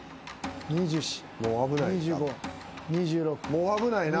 もう危ないな。